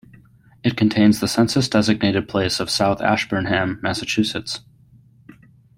It contains the census-designated place of South Ashburnham, Massachusetts.